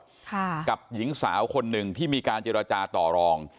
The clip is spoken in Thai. ค่ะกับหญิงสาวคนหนึ่งที่มีการเจรจาต่อรอง